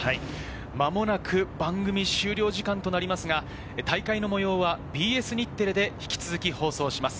間もなく番組終了時間となりますが、大会の模様はＢＳ日テレで引き続き放送します。